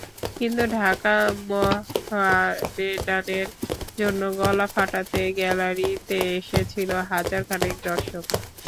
কিন্তু ঢাকা মোহামেডানের জন্য গলা ফাটাতে গ্যালারিতে এসেছিল হাজার খানেক দর্শক।